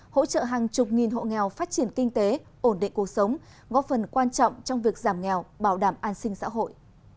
hỗ trợ hàng chục nghìn hộ nghèo phát triển kinh tế ổn định cuộc sống góp phần quan trọng trong việc giảm nghèo bảo đảm an sinh xã hội